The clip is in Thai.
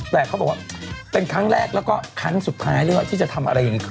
แต่เขาบอกว่าเป็นครั้งแรกและครั้งสุดท้ายว่าจะทำอะไรอันนี้